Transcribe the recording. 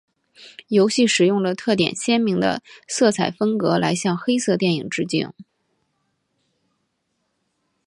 游戏使用了特点鲜明的色彩风格来向黑色电影致敬。